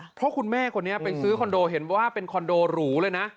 เพราะคุณแม่คนนี้ไปซื้อคอนโดเห็นว่าเป็นคอนโดหรูเลยนะ